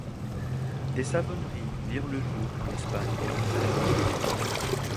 Des savonneries virent le jour en Espagne et en Italie.